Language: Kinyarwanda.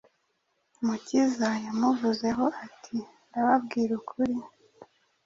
Umukiza yamuvuzeho ati, “Ndababwira ukuri,